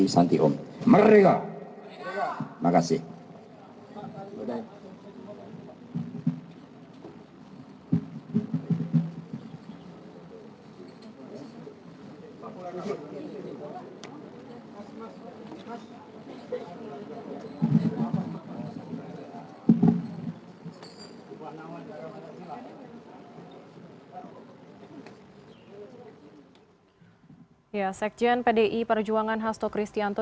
sekjen pdi perjuangan hasto kristianto